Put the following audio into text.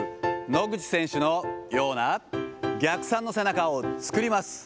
野口選手のような逆三の背中を作ります。